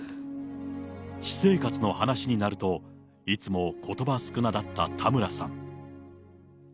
私生活の話になると、いつもことば少なだった田村さん。